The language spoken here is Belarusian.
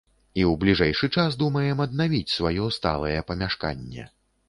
І ў бліжэйшы час думаем аднавіць сваё сталае памяшканне.